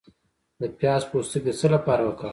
د پیاز پوستکی د څه لپاره وکاروم؟